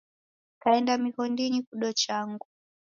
Kaenda mighondinyi kudo changu.